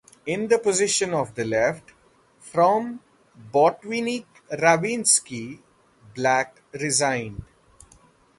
In the position on the left from Botvinnik-Ravinsky, Black resigned.